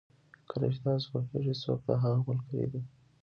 کله چې تاسو پوهېږئ څوک د هغه ملګري دي.